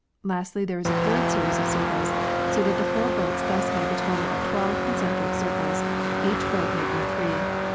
Lastly, there is a third series of circles, so that the four boats thus make a total of twelve concentric circuits, each boat making three.